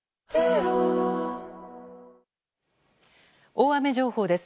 大雨情報です。